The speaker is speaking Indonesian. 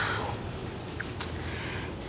saya mau ke rumah